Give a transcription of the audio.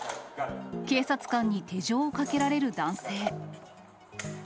警察官に手錠をかけられる男性。